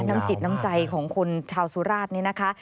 น้ำจิตน้ำใจของคนชาวสุราชนี่นะคะ